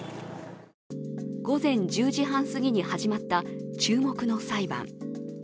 午前１０時半すぎに始まった注目の裁判。